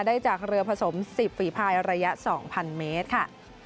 ได้จากเรือผสม๑๐ฝีภายระยะ๒๐๐เมตรค่ะ